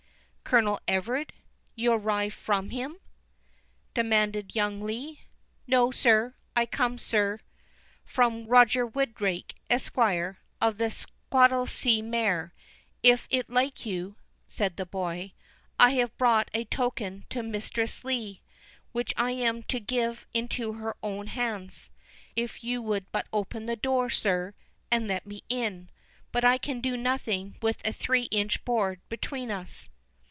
"Colonel Everard? arrive you from him?" demanded young Lee. "No, sir; I come, sir, from Roger Wildrake, esquire, of Squattlesea mere, if it like you," said the boy; "and I have brought a token to Mistress Lee, which I am to give into her own hands, if you would but open the door, sir, and let me in—but I can do nothing with a three inch board between us."